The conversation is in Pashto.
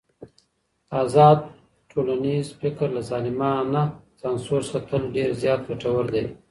ازاد ټولنيز فکر له ظالمانه سانسور څخه تل ډېر زيات ګټور دی.